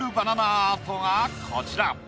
アートがこちら。